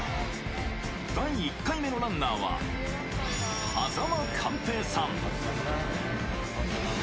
第１回目のランナーは、間寛平さん。